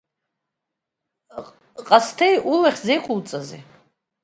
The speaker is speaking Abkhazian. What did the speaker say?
Ҟасҭеи, улахь зеиқәуҵазеи?